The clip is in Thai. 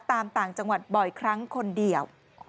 ต่างจังหวัดบ่อยครั้งคนเดียว